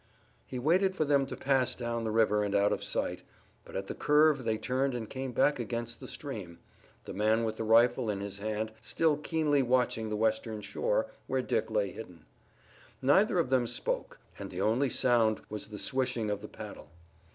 He waited for them to pass down the river and out of sight, but at the curve they turned and came back against the stream, the man with the rifle in his hand still keenly watching the western shore, where Dick lay hidden. Neither of them spoke, and the only sound was the swishing of the paddle.